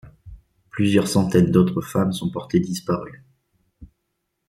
Plusieurs centaines d'autres femmes sont portées disparues.